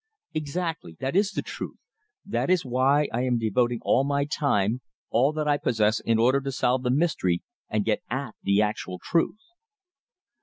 "Exactly. That is the truth. That is why I am devoting all my time all that I possess in order to solve the mystery and get at the actual truth."